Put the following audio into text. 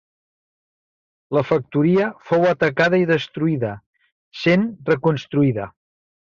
La factoria fou atacada i destruïda, sent reconstruïda.